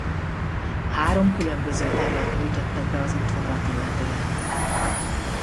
Három különböző tervet nyújtottak be az útvonalat illetően.